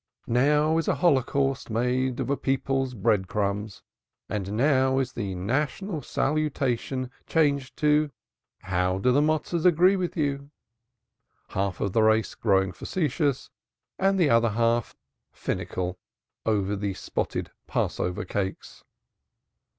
Now is holocaust made of a people's bread crumbs, and now is the national salutation changed to "How do the Motsos agree with you?" half of the race growing facetious, and the other half finical over the spotted Passover cakes.